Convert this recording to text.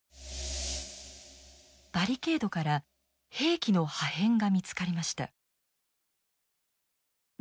バリケードから兵器の破片が見つかりました。